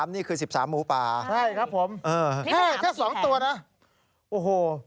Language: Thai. นี่คือ๑๓หมูป่าใช่ครับผมแค่๒ตัวนะโอ้โห